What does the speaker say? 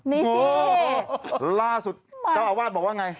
นี่ล่าสุดเจ้าอาวาสบอกว่าไง